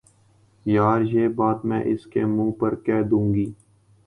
یار، یہ بات میں اس کے منہ پر کہ دوں گی